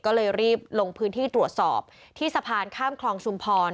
ก็เลยรีบลงพื้นที่ตรวจสอบที่สะพานข้ามคลองชุมพร